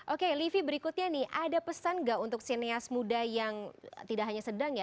oke livi berikutnya nih ada pesan nggak untuk sinias muda yang tidak hanya sedang ya